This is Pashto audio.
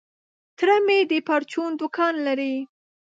تره مي د پرچون دوکان لري .